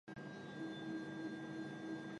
潜伏期内的传染病同样具有传染性。